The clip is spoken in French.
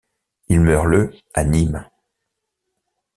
Il meurt le à Nîmes.